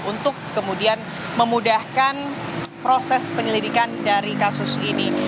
untuk kemudian memudahkan proses penyelidikan dari kasus ini